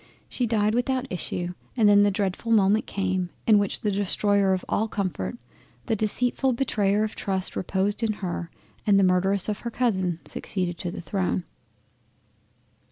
She died without issue, and then the dreadful moment came in which the destroyer of all comfort, the deceitful Betrayer of trust reposed in her, and the Murderess of her Cousin succeeded to the Throne.